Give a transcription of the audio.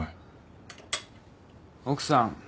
奥さん。